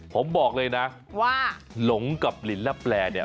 ผมบอกเลยนะว่าหลงกับลินและแปลเนี่ย